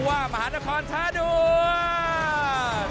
คุฒ่ามหานครชาดวง